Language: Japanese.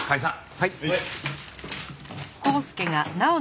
はい。